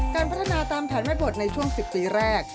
การพัฒนาตามแผนแม่บทในช่วง๑๐ปีแรก